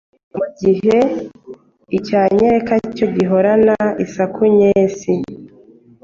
mu gihe icya nyereka cyo gihorana isaku nyesi